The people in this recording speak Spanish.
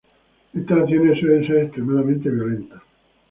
Estas acciones suelen ser extremadamente violentas.